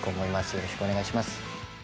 よろしくお願いします